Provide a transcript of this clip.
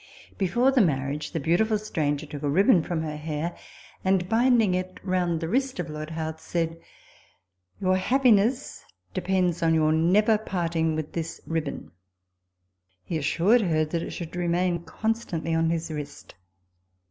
Before the marriage, the beautiful stranger took a ribbon from her hair, and binding it round the wrist of Lord Howth, said, " Your happiness depends on your never parting with this ribbon." He assured her that it should remain constantly on his wrist.